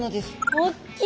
おっきい！